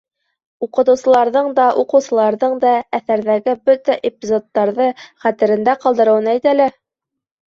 Уҡытыусыларҙың да, уҡыусыларҙың да әҫәрҙәге бөтә эпизодтарҙы хәтерендә ҡалдырыуын әйт әле!